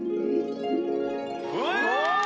うわ！